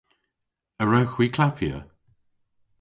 A wrewgh hwi klappya?